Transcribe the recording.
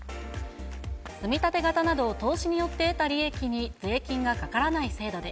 積み立て型など、投資によって得た利益に税金がかからない制度で。